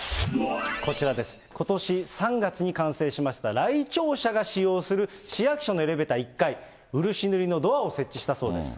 ことし３月に完成しました、来庁者が使用する市役所のエレベーター１階、漆塗りのドアを設置したそうです。